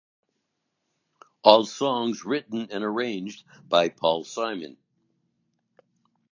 All songs written and arranged by Paul Simon.